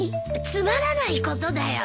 つまらないことだよ。